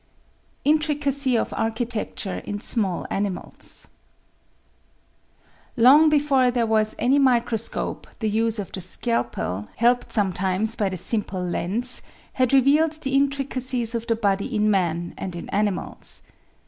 Intricacy of Architecture in Small Animals Long before there was any microscope the use of the scalpel, helped sometimes by the simple lens, had revealed the intricacies of the body in man and in animals.